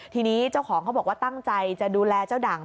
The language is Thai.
ทีนี้เจ้าของเขาบอกว่าตั้งใจจะดูแลเจ้าด่าง